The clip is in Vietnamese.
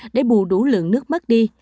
để bù đủ lượng nước mất đi